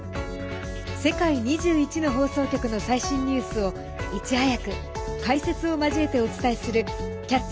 世界２１の放送局の最新ニュースをいち早く解説を交えてお伝えする「キャッチ！